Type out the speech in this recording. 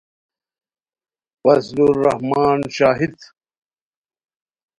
فضل الرحمن شاہدؔ